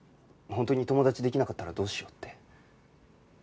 本当に友達できなかったらどうしようって。